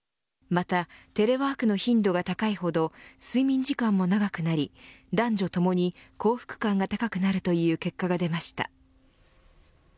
またテレワークの頻度が高いほど睡眠時間も長くなり男女ともに幸福感が高くなるという結果が出ました。